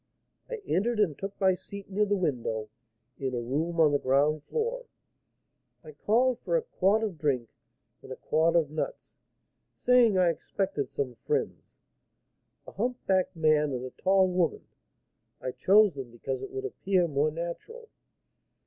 I entered and took my seat near the window, in a room on the ground floor. I called for a quart of drink and a quart of nuts, saying I expected some friends, a humpbacked man and a tall woman. I chose them because it would appear more natural.